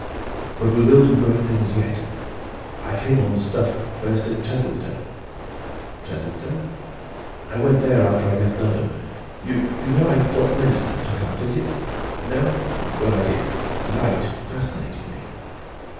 ... But we will do great things yet! I came on the stuff first at Chesilstowe." "Chesilstowe?" "I went there after I left London. You know I dropped medicine and took up physics? No; well, I did. Light fascinated me."